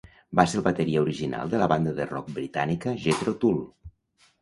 Va ser el bateria original de la banda de rock britànica Jethro Tull.